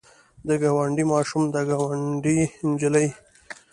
د ګاونډي ماشوم د ګاونډۍ نجلۍ.